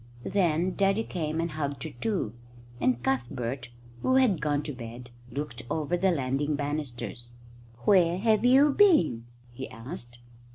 Then Daddy came and hugged her too, and Cuthbert, who had gone to bed, looked over the landing banisters. "Where have you been?" he asked.